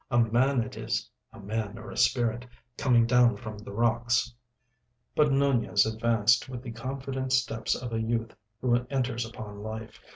"A man it is—a man or a spirit—coming down from the rocks." But Nunez advanced with the confident steps of a youth who enters upon life.